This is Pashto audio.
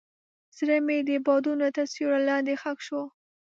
زړه مې د بادونو تر سیوري لاندې ښخ شو.